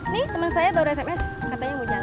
nih temen saya baru sms katanya mau jalan